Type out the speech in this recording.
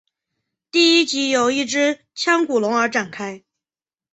第一集由一只腔骨龙而展开。